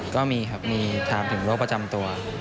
ก็มีครับมีถามถึงโรคประจำตัว